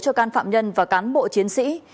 cho can phạm nhân và cán bộ chiến sĩ